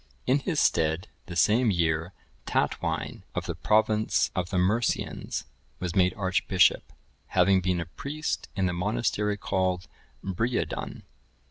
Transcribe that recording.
(1007) In his stead, the same year, Tatwine,(1008) of the province of the Mercians, was made archbishop, having been a priest in the monastery called Briudun.